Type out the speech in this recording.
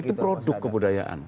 itu produk kebudayaan